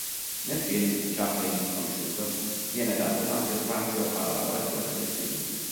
Nel film "Chaplin sconosciuto" viene dato ampio spazio alla lavorazione del film.